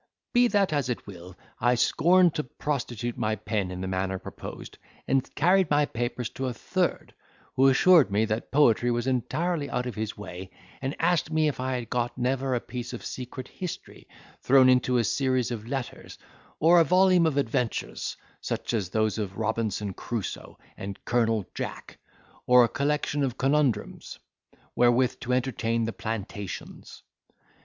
Be that as it will, I scorned to prostitute my pen in the manner proposed, and carried my papers to a third, who assured me that poetry was entirely out of his way; and asked me if I had got never a piece of secret history, thrown into a series of letters, or a volume of adventures, such as those of Robinson Crusoe, and Colonel Jack, or a collection of Conundrums, wherewith to entertain the plantations.